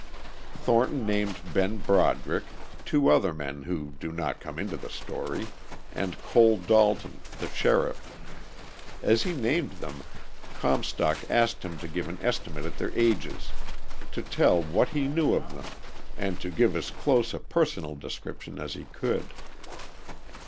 Thornton named Ben Broderick, two other men who do not come into the story, and Cole Dalton, the sheriff. And as he named them, Comstock asked him to give an estimate at their ages, to tell what he knew of them and to give as close a personal description as he could.